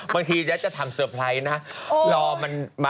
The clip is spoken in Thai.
บางทียังจะทำเซอร์ไพรส์นะ